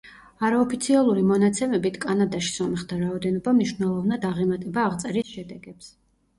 არაოფიციალური მონაცემებით, კანადაში სომეხთა რაოდენობა მნიშვნელოვნად აღემატება აღწერის შედეგებს.